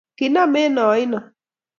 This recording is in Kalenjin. Kinam eng aino